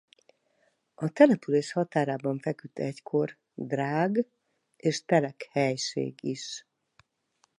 A település határában feküdt egykor Drág és Telek helység is.